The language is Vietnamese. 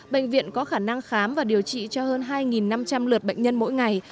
bệnh viện có khả năng khám và điều trị cho hơn hai năm trăm linh lượt bệnh nhân mỗi ngày